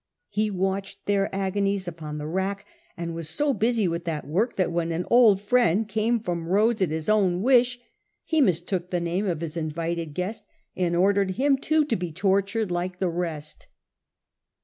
He watched their agonies upon the rack, and was so busy with that work that Capre®, when an old friend came from Rhodes at his own wish, he mistook the name of his invited guest and ordered him A. H, w 66 The Earlier Empire. a.d. 14 37. too to be tortured like the rest.